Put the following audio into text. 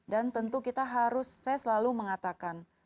dan tentu kita harus saya selalu mengatakan